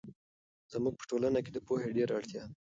زموږ په ټولنه کې د پوهې ډېر اړتیا ده.